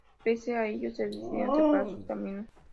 Pese a ello, decidieron separar sus caminos.